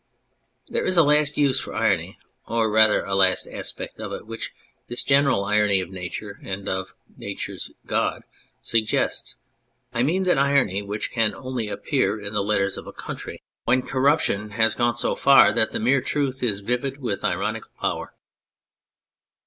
There is a last use for irony, or rather a last aspect of it which this general irony of Nature, and of Nature's God, suggests : I mean that irony which can only appear in the letters of a country when 21 On Anything corruption has gone so far that the mere truth is vivid with ironical power.